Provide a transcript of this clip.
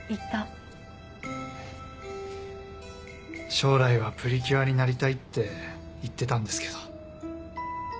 「将来はプリキュアになりたい」って言ってたんですけど。